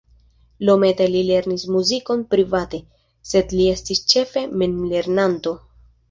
Iomete li lernis muzikon private, sed li estis ĉefe memlernanto.